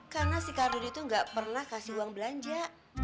karena si kardun itu nggak pernah kasih uang belanja